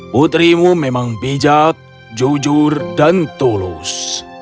putrimu memang bijak jujur dan tulus